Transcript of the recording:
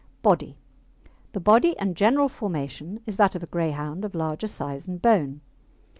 BODY The body and general formation is that of a Greyhound of larger size and bone.